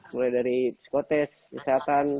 mulai dari psikotest kesehatan